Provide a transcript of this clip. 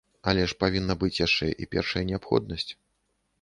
Але ж павінна быць яшчэ і першая неабходнасць.